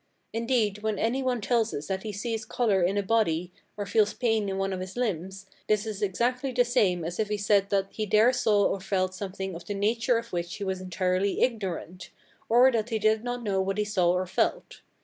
Indeed, when any one tells us that he sees colour in a body or feels pain in one of his limbs, this is exactly the same as if he said that he there saw or felt something of the nature of which he was entirely ignorant, or that he did not know what he saw or felt.